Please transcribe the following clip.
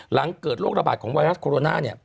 หลังเกิดโรคระบาดของไวรัสโคโรนา